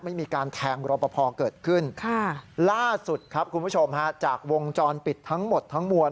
ไม่มีการแทงรอปภเกิดขึ้นล่าสุดครับคุณผู้ชมฮะจากวงจรปิดทั้งหมดทั้งมวล